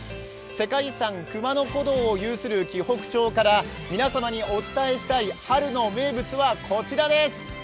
世界遺産・熊野古道を有する紀北町から皆様にお伝えしたい春の名物はこちらです。